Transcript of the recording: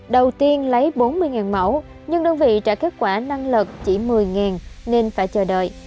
đầu tiên lấy bốn mươi mẫu nhưng đơn vị trả kết quả năng lực chỉ một mươi nên phải chờ đợi